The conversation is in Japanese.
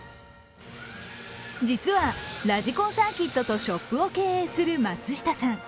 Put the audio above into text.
実はラジコンサーキットとショップを経営する松下さん。